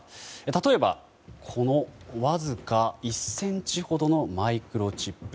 例えば、このわずか１ｃｍほどのマイクロチップ。